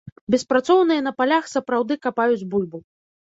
Беспрацоўныя на палях сапраўды капаюць бульбу.